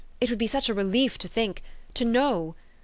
" It would be such a relief to think to know!